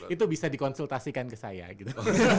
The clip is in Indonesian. itu bisa dikonsultasikan ke saya gitu